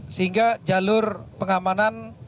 sehingga jalur pengamanan